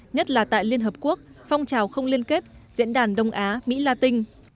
nhất là tại liên hợp quốc phong trào không liên kết diễn đàn đông á mỹ la tinh